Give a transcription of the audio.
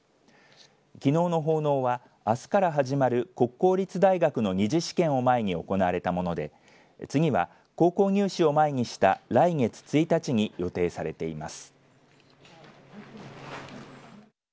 きのうの奉納はあすから始まる国公立大学の２次試験を前に行われたもので次は高校入試を前にした来月１日に予定されています。